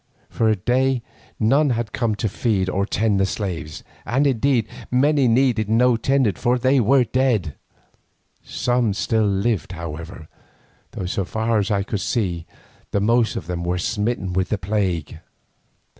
For a day none had come to feed or tend the slaves, and indeed many needed no tending, for they were dead. Some still lived however, though so far as I could see the most of them were smitten with the plague.